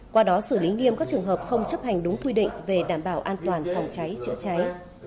qua đó xử lý nghiêm các trường hợp không chấp hành đúng quy định về đảm bảo an toàn phòng cháy chữa cháy